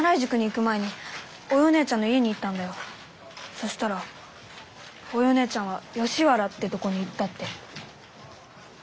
そしたらおようねえちゃんは吉原ってとこに行ったって。